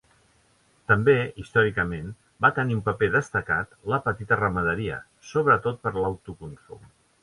També, històricament, va tenir un paper destacat la petita ramaderia, sobretot per l'autoconsum.